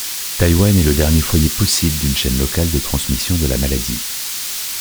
Taïwan est le dernier foyer possible d'une chaîne locale de transmission de la maladie.